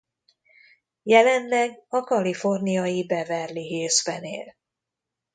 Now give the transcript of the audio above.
Jelenleg a kaliforniai Beverly Hillsben él.